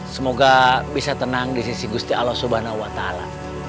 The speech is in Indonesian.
semoga bisa tenang di sisi gusti allah subhanahu wa ta'ala